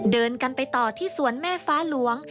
เดินกันไปต่อที่สวนแม่ฟ้าหลวง